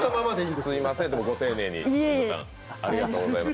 すいません、ご丁寧にありがとうございます。